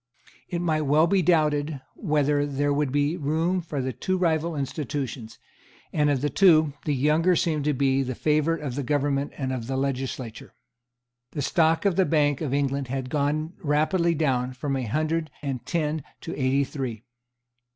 It might well be doubted whether there would be room for the two rival institutions; and of the two, the younger seemed to be the favourite of the government and of the legislature. The stock of the Bank of England had gone rapidly down from a hundred and ten to eighty three.